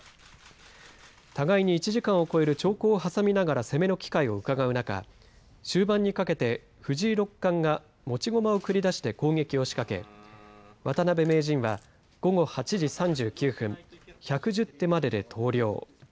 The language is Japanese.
互いに１時間を超える長考を挟みながら攻めの機会をうかがう中終盤にかけて、藤井六冠が持ち駒を繰り出して攻撃を仕掛け渡辺名人は午後８時３９分１１０手までで投了。